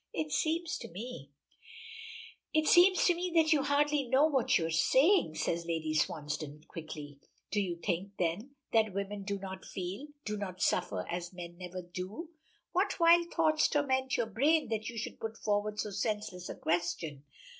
It seems to me " "It seems to me that you hardly know what you are saying," said Lady Swansdown quickly. "Do you think then that women do not feel, do not suffer as men never do? What wild thoughts torment your brain that you should put forward so senseless a question?